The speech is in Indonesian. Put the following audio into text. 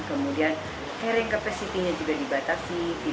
kemudian caring capacity nya juga dibatasi